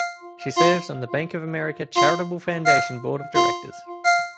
She serves on the Bank of America Charitable Foundation Board of Directors.